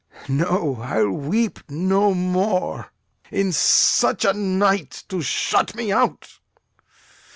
No, I will weep no more. In such a night 'To shut me out!